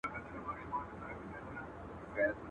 د زکندن شپو ته مي مه نیسه بخیلي سترګي.